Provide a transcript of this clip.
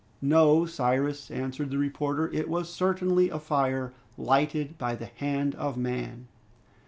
"No, Cyrus," answered the reporter, "it was certainly a fire lighted by the hand of man.